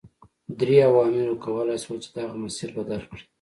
درې عواملو کولای شول چې دغه مسیر بدل کړي.